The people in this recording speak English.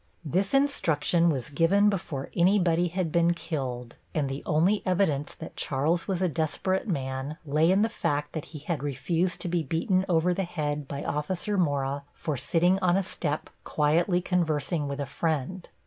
This instruction was given before anybody had been killed, and the only evidence that Charles was a desperate man lay in the fact that he had refused to be beaten over the head by Officer Mora for sitting on a step quietly conversing with a friend.